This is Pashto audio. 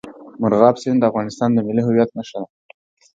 مورغاب سیند د افغانستان د ملي هویت نښه ده.